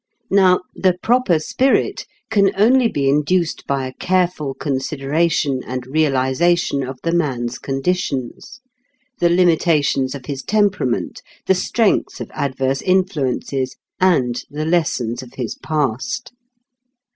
Now, the proper spirit can only be induced by a careful consideration and realization of the man's conditions the limitations of his temperament, the strength of adverse influences, and the lessons of his past.